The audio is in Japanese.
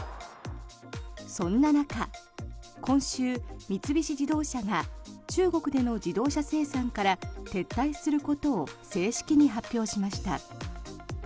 そんな中、今週三菱自動車が中国での自動車生産から撤退することを正式に発表しました。